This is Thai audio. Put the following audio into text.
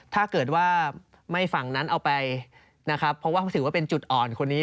ถ้าเกิดว่าไม่ฝั่งนั้นเอาไปนะครับเพราะว่าเขาถือว่าเป็นจุดอ่อนคนนี้